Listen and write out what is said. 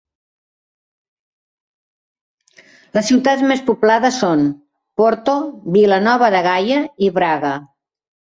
Les ciutats més poblades són Porto, Vila Nova de Gaia i Braga.